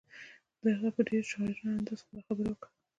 هغې په ډېر شاعرانه انداز خپله خبره وکړه.